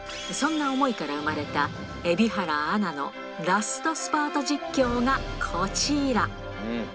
そんな思いから生まれた蛯原アナのラストスパート実況がこちら。